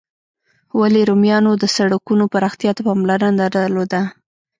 ولي رومیانو د سړکونو پراختیا ته پاملرنه درلوده؟